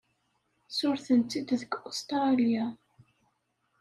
Ssurrten-tt-id deg Ustṛalya.